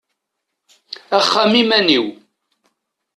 Axxam iman-iw;